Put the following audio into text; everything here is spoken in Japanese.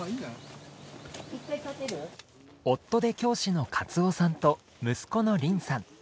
夫で教師の克雄さんと息子の倫さん。